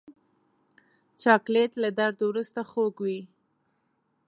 چاکلېټ له درد وروسته خوږ وي.